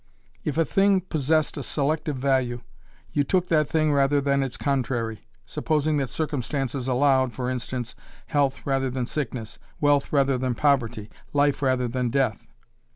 If a thing possessed a selective value you took that thing rather than its contrary, supposing that circumstances allowed, for instance, health rather than sickness, wealth rather than poverty, life rather than death.